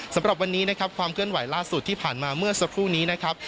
สำหรับวันนี้นะครับความเคลื่อนไหวล่าสุดที่ผ่านมาเมื่อสักครู่นี้นะครับ